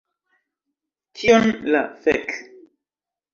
Kion la fek...